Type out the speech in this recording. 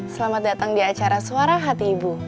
selamat datang di acara suara hati ibu